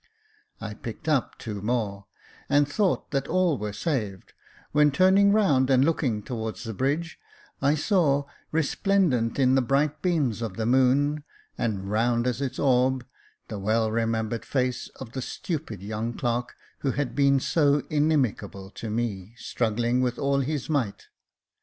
I picked up two more, and thought that all were saved, when turning round and looking towards the bridge, I saw resplendent in the bright beams of the moon, and round as its orb," the well remembered face of the stupid young clerk who had been so inimical to me, struggling with all his might.